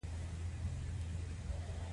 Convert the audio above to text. پوڅه د خامو شیدونه جوړیږی.